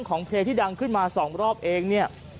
เพลงที่ดังขึ้นมา๒รอบเองเนี่ย